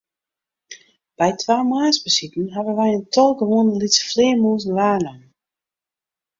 By twa moarnsbesiten hawwe wy in tal gewoane lytse flearmûzen waarnommen.